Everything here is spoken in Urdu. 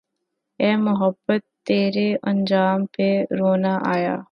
اے محبت تیرے انجام پہ رونا آیا